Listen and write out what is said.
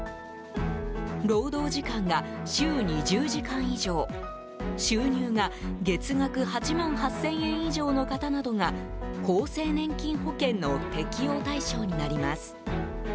労働時間が週２０時間以上収入が月額８万８０００円以上の方などが厚生年金保険の適用対象になります。